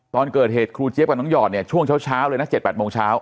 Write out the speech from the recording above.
ตอนเกิดเหตุครูเจี๊ยบกับน้องหอดเนี่ยช่วงเช้าเลยนะ๗๘โมงเช้า